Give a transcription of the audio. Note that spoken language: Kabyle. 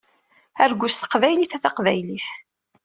Argu s teqbaylit a taqbaylit!